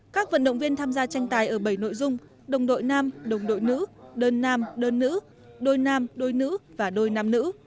các vận động viên tham gia tranh tài ở bảy nội dung đồng đội nam đồng đội nữ đơn nam đơn nữ đôi nam đôi nữ và đôi nam nữ